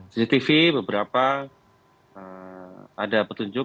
cctv beberapa ada petunjuk